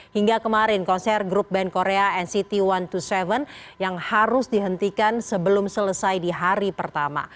hingga kemarin konser grup band korea nct satu ratus dua puluh tujuh yang harus dihentikan sebelum selesai di hari pertama